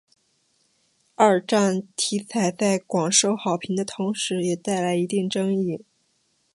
二战题材在广受好评的同时也带来一定争议。